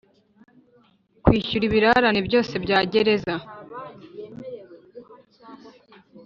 kwishyura ibirarane byose bya gereza